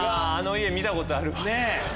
あの家見たことある。